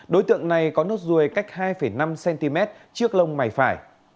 đối tượng này có nốt ruồi cách hai năm cm trước lông mày phải